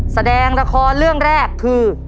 แสดงละครเรื่องแรกคือ